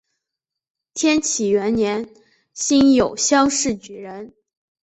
天启元年辛酉乡试举人。